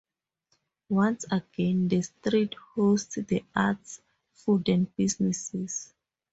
Once again, the street hosts the arts, food, and businesses.